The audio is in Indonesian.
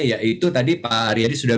ya itu tadi pak arihadi sudah